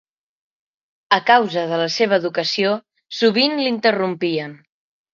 A causa de la seva educació sovint l'interrompien.